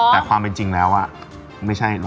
แต่ความเป็นจริงแล้วไม่ใช่เหรอ